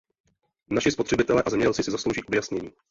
Naši spotřebitelé a zemědělci si zaslouží objasnění.